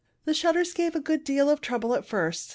The shutters gave a good deal of trouble at first.